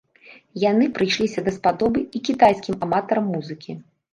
Яны прыйшліся даспадобы і кітайскім аматарам музыкі.